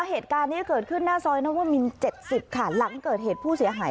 เหตุการณ์นี้เกิดขึ้นหน้าซอยนวมิน๗๐ค่ะหลังเกิดเหตุผู้เสียหาย